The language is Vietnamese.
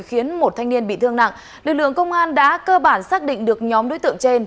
khiến một thanh niên bị thương nặng lực lượng công an đã cơ bản xác định được nhóm đối tượng trên